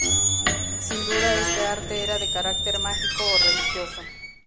Sin duda este arte era de carácter mágico o religioso.